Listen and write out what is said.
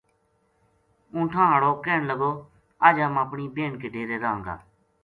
اونٹھاں ہاڑو کہن لگو اج ہم اپنی بہن کے ڈیرے رہاں گا